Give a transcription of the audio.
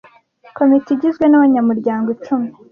Komite igizwe n’abanyamuryango icumi.